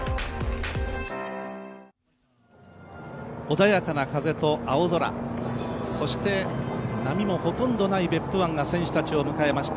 穏やかな風と青空そして波もほとんどない別府湾が選手たちを迎えました